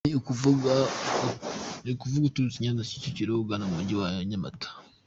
Ni ukuvuga uturutse Nyanza ya Kicukiro ugana mu mujyi wa Nyamata.